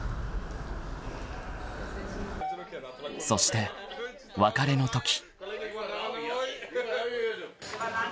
［そして別れのとき］